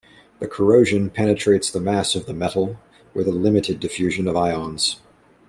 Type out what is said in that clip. The corrosion penetrates the mass of the metal, with a limited diffusion of ions.